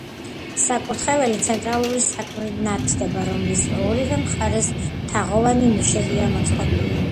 საკურთხეველი ცენტრალური სარკმლით ნათდება, რომლის ორივე მხარეს თაღოვანი ნიშებია მოწყობილი.